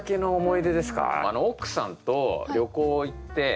奥さんと旅行行ってバリ。